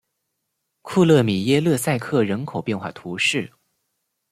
库勒米耶勒塞克人口变化图示